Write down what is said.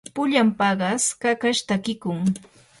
pullan paqas kakash takiykun.